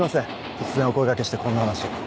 突然お声掛けしてこんな話。